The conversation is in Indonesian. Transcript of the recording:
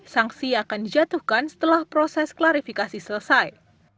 sanksi akan dijatuhkan setelah proses klarifikasi selesai